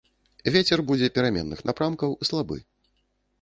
Вецер будзе пераменных напрамкаў, слабы.